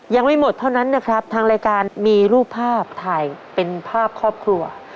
ยังไม่หมดเท่านั้นนะครับทางรายการมีรูปภาพถ่ายเป็นภาพครอบครัว